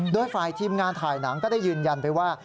โดยฝ่ายทีมงานถ่ายหนังก็ได้ยืนยันไปว่า